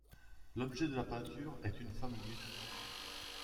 L'objet de la peinture est une femme nue.